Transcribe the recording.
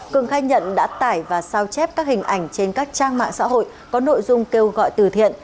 cường khai nhận đã tải và sao chép các hình ảnh trên các trang mạng xã hội có nội dung kêu gọi từ thiện